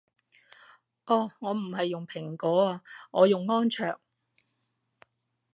哦我唔係用蘋果啊我用安卓